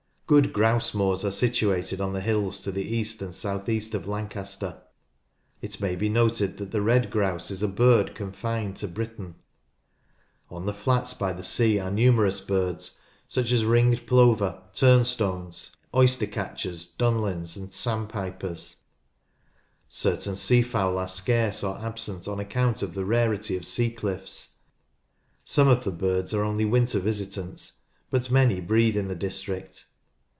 Good grouse moors are situated on the hills to the east and south east of Lancaster. It may be noted that the red grouse is a bird confined to Britain. On the flats by the sea are numerous birds, such as NATURAL HISTORY 77 ringed plover, turnstones, oyster catchers, dunlins, and sandpipers. Certain sea fowl are scarce or absent on account of the rarity of sea cliffs. Some of the birds are only winter visitants, but many breed in the district.